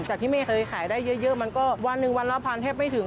จากที่ไม่เคยขายได้เยอะมันก็วันหนึ่งวันละพันแทบไม่ถึง